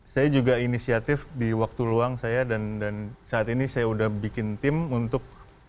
saya juga inisiatif di waktu luang saya dan saat ini saya udah bikin tim untuk